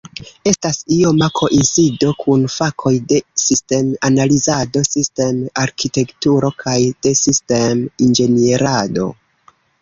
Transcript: Estas ioma koincido kun fakoj de sistem-analizado, sistem-arkitekturo kaj de sistem-inĝenierado.